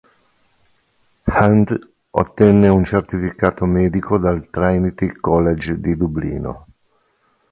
Hand ottenne un certificato medico dal Trinity College di Dublino.